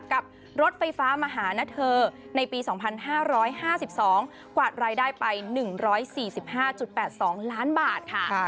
กับรถไฟฟ้ามาหานะเธอในปี๒๕๕๒กวาดรายได้ไป๑๔๕๘๒ล้านบาทค่ะ